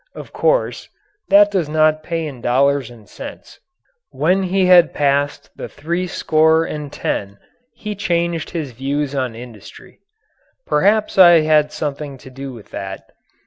Of course, that does not pay in dollars and cents. When he had passed the three score and ten he changed his views on industry. Perhaps I had something to do with that.